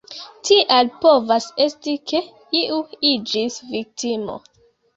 Tial povas esti ke iu iĝis viktimo.